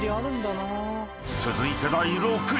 ［続いて第６位］